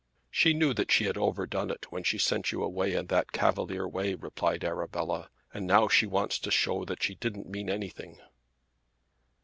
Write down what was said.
"She knew that she had overdone it when she sent you away in that cavalier way," replied Arabella, "and now she wants to show that she didn't mean anything."